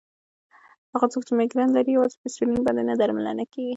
هغه څوک چې مېګرین لري، یوازې په اسپرین باندې نه درملنه کېږي.